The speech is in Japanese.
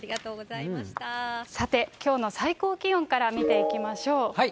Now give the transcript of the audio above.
さて、きょうの最高気温から見ていきましょう。